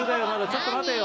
ちょっと待てよ。